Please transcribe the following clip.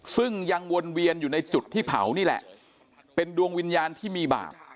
ซึ่งยังวนเวียนอยู่ในจุดที่เผานี่แหละเป็นดวงวิญญาณที่มีบาป